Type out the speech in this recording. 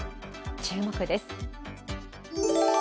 注目です。